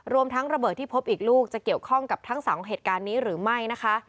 ทั้งระเบิดที่พบอีกลูกจะเกี่ยวข้องกับทั้งสองเหตุการณ์นี้หรือไม่นะคะ